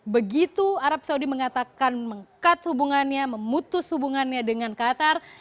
begitu arab saudi mengatakan meng cut hubungannya memutus hubungannya dengan qatar